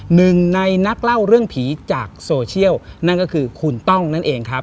หนึ่งในนักเล่าเรื่องผีจากโซเชียลนั่นก็คือคุณต้องนั่นเองครับ